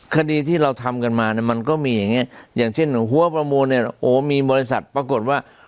คดีที่เราทำกันมาเนี่ยมันก็มีอย่างเงี้อย่างเช่นหัวประมูลเนี่ยโอ้มีบริษัทปรากฏว่า